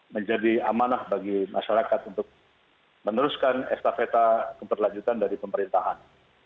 menjadi amanah bagi masyarakat untuk meneruskan estafeta keberlanjutan dari pemerintahan